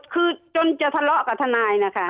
คือจนจะทะเลาะกับทนายนะคะ